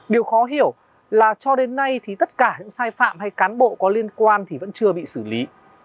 điều khó hiểu là cho đến nay thì tất cả những sai phạm hay cán bộ có liên quan thì vẫn chưa bị xử lý